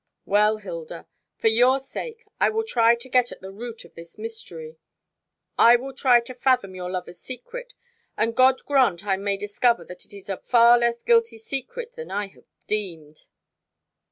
Well, Hilda, for your sake I will try to get at the root of this mystery. I will try to fathom your lover's secret; and God grant I may discover that it is a far less guilty secret than I have deemed."